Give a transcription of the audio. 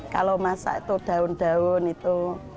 kalau masak itu daun daun itu